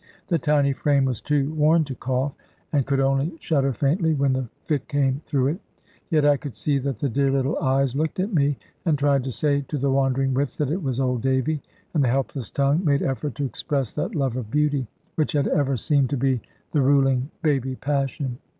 The tiny frame was too worn to cough, and could only shudder faintly, when the fit came through it. Yet I could see that the dear little eyes looked at me, and tried to say to the wandering wits that it was Old Davy; and the helpless tongue made effort to express that love of beauty, which had ever seemed to be the ruling baby passion.